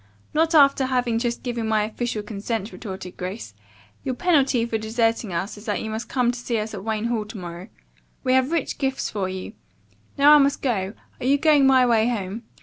"Not after having just given my official consent," retorted Grace. "Your penalty for deserting us is that you must come to see us at Wayne Hall to morrow. We have rich gifts for you. Now I must go. Are you going my way home?"